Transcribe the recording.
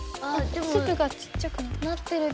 粒がちっちゃくなってる。